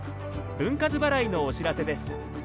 分割払いのお知らせです。